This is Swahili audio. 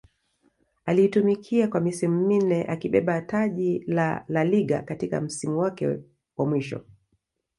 aliitumikia kwa misimu minne akibeba taji la La Liga katika msimu wake mwisho